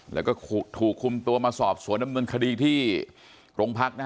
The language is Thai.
และก็ถูกคุมตัวมาสอบสวนดำเนินคดีคลองพัก